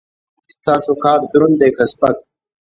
ستاسو کار دروند دی که سپک؟